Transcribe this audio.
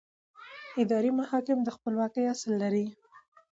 اداري محاکم د خپلواکۍ اصل لري.